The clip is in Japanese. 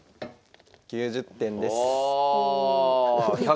９０点です。